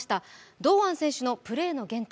堂安選手のプレーの原点